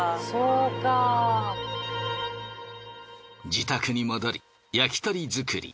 自宅に戻り焼き鳥作り。